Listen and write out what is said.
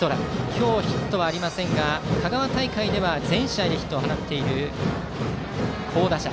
今日ヒットはありませんが香川大会では全試合でヒットを放っている好打者。